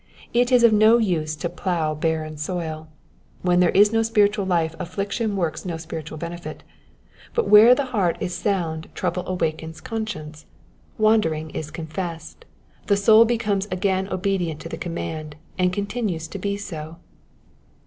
It is of no use to plough barren soil. When there is no spiritual life affliction works no spiritual benefit ; but where the heart is Digitized by VjOOQIC 164 EXPOSITIONS OF THE PSALMS. sound trouble awakens conscience, wandering is confessed, the soul becomes again obedient to the command, and continues to be so.